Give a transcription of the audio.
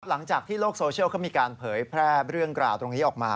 หลังจากที่โลกโซเชียลเขามีการเผยแพร่เรื่องกล่าวตรงนี้ออกมา